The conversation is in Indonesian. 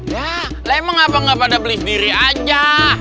ya lah emang apa nggak pada beli sendiri aja